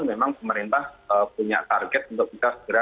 memang pemerintah punya target untuk bisa segera